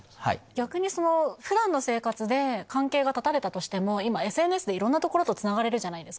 逆に普段の生活で関係が絶たれたとしても今ＳＮＳでいろんな所とつながれるじゃないですか。